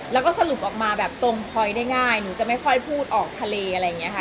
แล้วก็สรุปออกมาแบบตรงพลอยได้ง่ายหนูจะไม่ค่อยพูดออกทะเลอะไรอย่างนี้ค่ะ